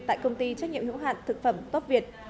tại công ty trách nhiệm hữu hạn thực phẩm tốt việt